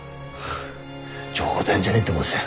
冗談じゃねえって思ってたよ。